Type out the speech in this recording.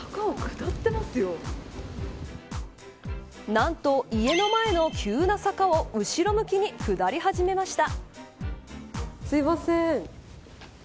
なんと家の前の急な坂を後ろ向きに下り始めました。